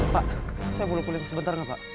pak saya mau pulih sebentar gak pak